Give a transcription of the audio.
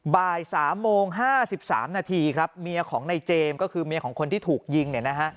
บ่าย๓โมง๕๓นาทีครับเมียของในเจมส์ก็คือเมียของคนที่ถูกยิงเนี่ยนะฮะ